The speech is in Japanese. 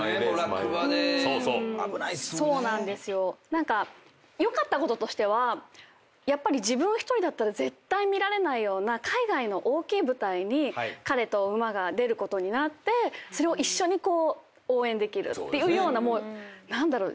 何か良かったこととしてはやっぱり自分一人だったら絶対見られないような海外の大きい舞台に彼と馬が出ることになってそれを一緒に応援できるっていうような何だろう？